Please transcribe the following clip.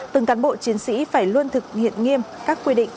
từng cán bộ chiến sĩ phải luôn thực hiện nghiêm các quy định